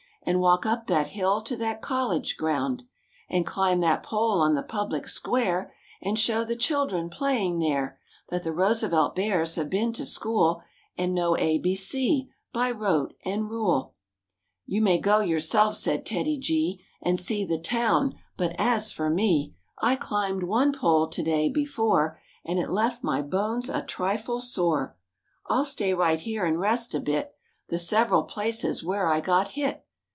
And walk up that hill to that college ground. And climb that pole on the public square And show the children playing there That the Roosevelt Bears have been to school And know A B C by rote and rule." THE BEARS PUT OUT A FIRE "You may go yourself, \~~ flfifr _^ said TEDDY G, . N liT "And see the town, but as '' 1 jm for me, fin 'S') I climbed one pole to day before ^ J yM And it left my bones a trifle sore. I'll stay right here and rest a bit The several places where I got hit."